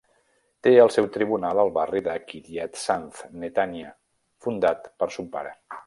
Té el seu tribunal al barri de Kiryat Sanz, Netanya, fundat per son pare.